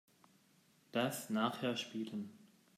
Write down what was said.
Das nachher spielen.